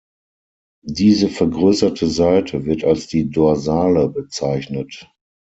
Diese vergrößerte Seite wird als die dorsale bezeichnet.